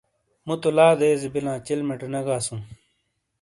مُو تو لا دیزی بلاں چلیمٹے نے گاسوں۔